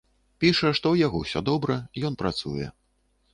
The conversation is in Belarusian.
Піша, што ў яго ўсё добра, ён працуе.